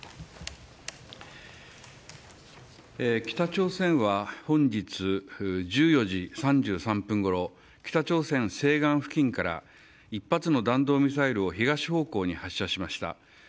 北朝鮮は本日１４時３３分ごろ北朝鮮西岸付近から１発の弾道ミサイルを東方向に発射しました。